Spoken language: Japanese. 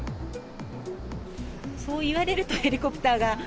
そう言われるとヘリコプターが。